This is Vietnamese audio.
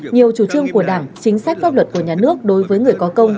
nhiều chủ trương của đảng chính sách pháp luật của nhà nước đối với người có công